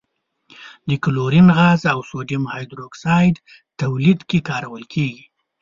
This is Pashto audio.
د کلورین غاز او سوډیم هایدرو اکسایډ تولید کې کارول کیږي.